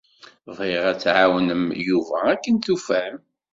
Bɣiɣ ad tɛawnem Yuba akken tufam.